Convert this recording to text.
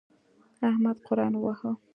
احمد قرآن وواهه.